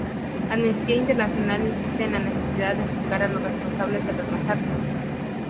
Amnistía Internacional insiste en la necesidad de juzgar a los responsables de las masacres.